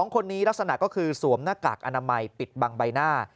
๒คนนี้ลักษณะก็คือสวมหน้ากากอนามัยปิดบังใบหน้า